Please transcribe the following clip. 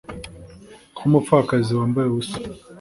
Nkumupfakazi wambaye ubusa